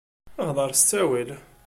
Hḍeṛ s ttawil!